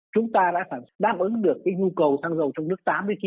chúng ta đã đáp ứng được nhu cầu thăng dầu trong nước tám mươi chín